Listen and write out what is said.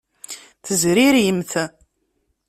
Tezririmt.